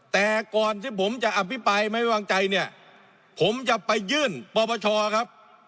แต่ก่อนที่ผมจะอภิปรายไม่วางใจเนี่ยผมจะไปยื่นปปชครับ